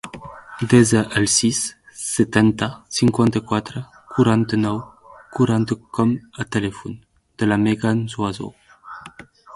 Desa el sis, setanta, cinquanta-quatre, quaranta-nou, quaranta com a telèfon de la Megan Zuazo.